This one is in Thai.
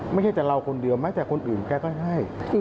ไม่ใช่แต่เราคนเดียวแม้แต่คนอื่นแกก็ให้